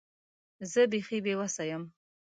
زه بیخي بې وسه یم .